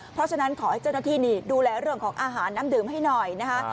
เพราะฉะนั้นขอให้เจ้าหน้าที่นี่ดูแลเรื่องของอาหารน้ำดื่มให้หน่อยนะคะ